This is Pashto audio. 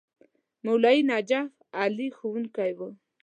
مولوي نجف علي ښوونکی وو.